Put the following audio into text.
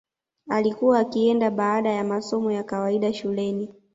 Alikuwa akienda baada ya masomo ya kawaida shuleni